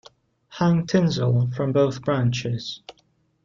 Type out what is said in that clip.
Hang tinsel from both branches.